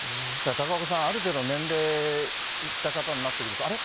高岡さん、ある程度の年齢いった方になってくると、あれ？